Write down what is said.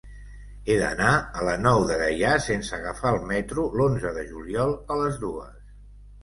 He d'anar a la Nou de Gaià sense agafar el metro l'onze de juliol a les dues.